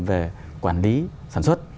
về quản lý sản xuất